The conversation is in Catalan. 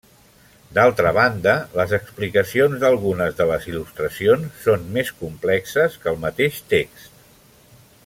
D'altra banda, les explicacions d'algunes de les il·lustracions són més complexes que el mateix text.